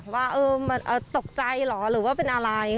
ว่าตกใจหรือว่าเป็นอะไร